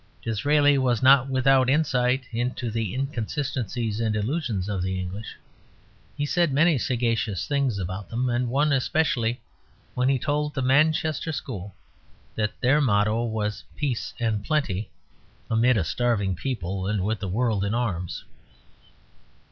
Disraeli was not without insight into the inconsistencies and illusions of the English; he said many sagacious things about them, and one especially when he told the Manchester School that their motto was "Peace and Plenty, amid a starving people, and with the world in arms."